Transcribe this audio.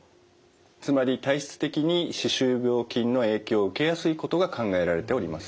つまり体質的に歯周病菌の影響を受けやすいことが考えられております。